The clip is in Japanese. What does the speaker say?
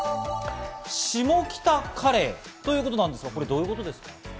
シモキタカレーということなんですが、どういうことですか？